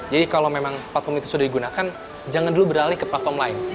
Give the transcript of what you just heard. jadi kalau memang platform itu sudah digunakan jangan dulu beralih ke platform lain